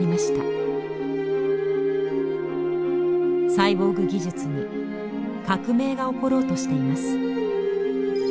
サイボーグ技術に革命が起ころうとしています。